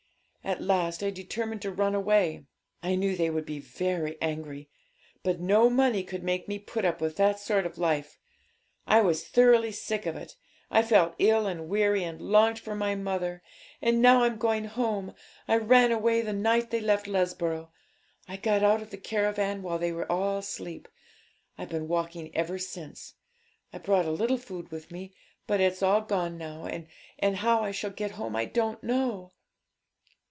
At last I determined to run away. I knew they would be very angry; but no money could make me put up with that sort of life; I was thoroughly sick of it. I felt ill and weary, and longed for my mother. And now I'm going home. I ran away the night they left Lesborough. I got out of the caravan when they were all asleep. I've been walking ever since; I brought a little food with me, but it's all gone now, and how I shall get home I don't know.'